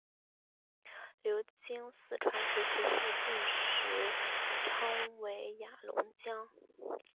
流经四川石渠附近时称为雅砻江。